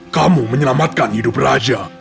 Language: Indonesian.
kamu menyelamatkan hidup raja